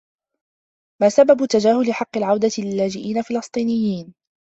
ما سبب تجاهل حقّ العودة للاجئين الفلسطينيين؟